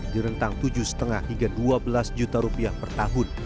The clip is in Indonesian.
di rentang tujuh lima hingga dua belas juta rupiah per tahun